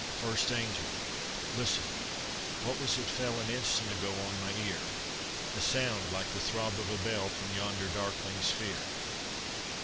FIRST ANGEL Listen! what was it fell An instant ago on my ear A sound like the throb of a bell From yonder darkling sphere!